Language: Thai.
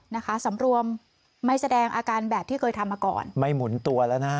นะคะสำรวมไม่แสดงอาการแบบที่เคยทำมาก่อนไม่หมุนตัวแล้วนะฮะ